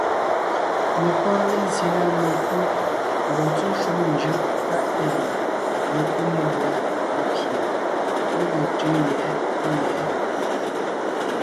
Mé pɔ́ɔn lézye na mekú mbɔɔ tsɔ́ shúm njʉ́ʼ páʼ péli, mekúmúɔláʼ lépye, mé ge tʉ́ʉ yɛ̌ pɔ̌ yɛ̌.